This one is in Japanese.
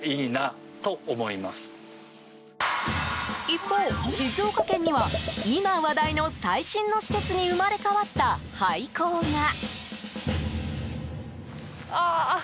一方、静岡県には今話題の最新の施設に生まれ変わった廃校が。